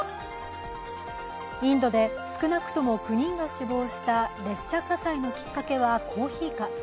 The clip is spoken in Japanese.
インドで少なくとも９人が死亡した列車火災のきっかけはコーヒーか。